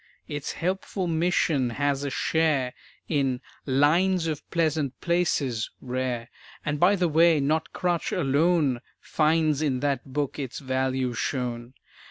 Its helpful mission has a share In "Lines of Pleasant Places" rare. And, by the way, not crutch alone Finds in that book its value shown.